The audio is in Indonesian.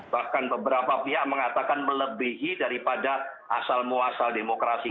bahkan beberapa pihak mengatakan melebihi daripada asal muasal demokrasi